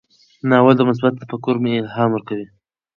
ناول د مثبت تفکر الهام ورکوي.